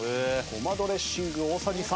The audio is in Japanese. ごまドレッシング大さじ３。